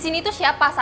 kamu regular kenapa saja